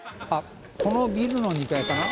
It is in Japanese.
このビルの２階かな？